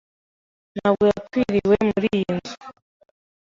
ntabwo yakiriwe muriyi nzu.